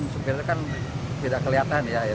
sempit itu kan tidak kelihatan ya